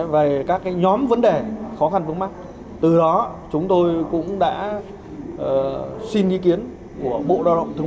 về các nhóm vấn đề khó khăn vướng mắt từ đó chúng tôi cũng đã xin ý kiến của bộ đoàn động thương